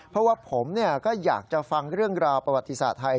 เพราะว่าผมก็อยากจะฟังเรื่องราวประวัติศาสตร์ไทย